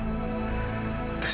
dan setiap hari